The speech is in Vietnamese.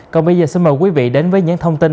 còn bây giờ xin mời quý vị đến với những thông tin